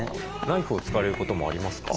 ナイフを使われることもありますか？